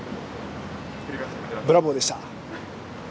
ブラボーでした。